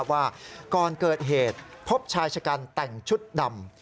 ว่าก่อนเกิดเหตุพบชายชะกันแต่งชุดดำ